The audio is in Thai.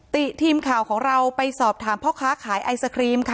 ติทีมข่าวของเราไปสอบถามพ่อค้าขายไอศครีมค่ะ